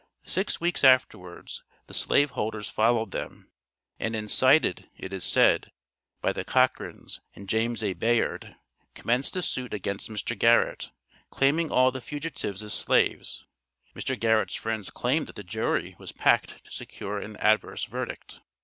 Six weeks afterwards the slave holders followed them, and incited, it is said, by the Cochrans and James A. Bayard, commenced a suit against Mr. Garrett, claiming all the fugitives as slaves. Mr. Garrett's friends claim that the jury was packed to secure an adverse verdict.